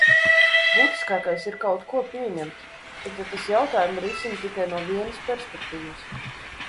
Būtiskākais ir kaut ko pieņemt, pat ja tas jautājumu risina tikai no vienas perspektīvas.